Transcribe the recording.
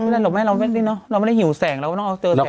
เราไม่ได้หิวแสงเราต้องเอาเติมแสง